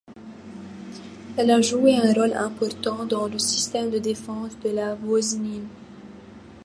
Elle a joué un rôle important dans le système de défense de la Bosnie.